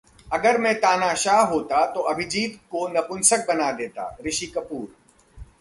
अगर मैं तानाशाह होता तो अभिजीत को नपुंसक बना देता: ऋषि कपूर